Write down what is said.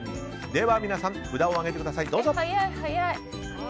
では皆さん札を上げてください。